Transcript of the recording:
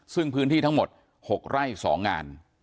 ซึ่งพื้นที่ทั้งหมด๖ไร่๒งาน